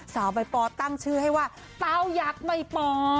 สาวใบปอตั้งชื่อให้ว่าเต้ายักษ์ใบปอ